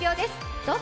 どうぞ。